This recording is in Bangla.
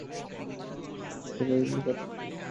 রাধে ভাইয়ের প্রার্থী জিতলে তোমরা কি কি সুযোগ সুবিধা পাবে, শোনো!